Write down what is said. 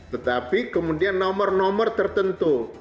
tetapi kemudian nomor nomor tertentu